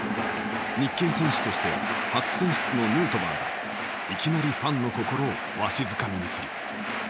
日系選手として初選出のヌートバーがいきなりファンの心をわしづかみにする。